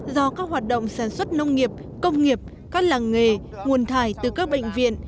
do các hoạt động sản xuất nông nghiệp công nghiệp các làng nghề nguồn thải từ các bệnh viện